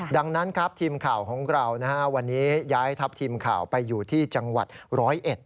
ดังนั้นครับทีมข่าวของเรานะฮะวันนี้ย้ายทัพทีมข่าวไปอยู่ที่จังหวัดร้อยเอ็ด